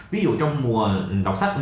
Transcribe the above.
ví dụ trong mùa đọc sách